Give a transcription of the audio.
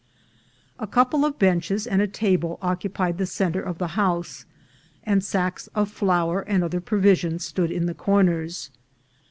A couple of benches and a table occupied the center of the house, and sacks of flour and other provisions stood in the corners.